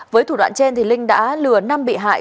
với thủ đoạn trên linh đã lừa năm bị hại